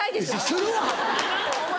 するわ！